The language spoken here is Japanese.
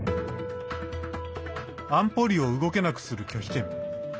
安保理を動けなくする拒否権。